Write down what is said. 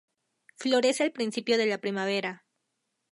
Florece al principio de la primavera.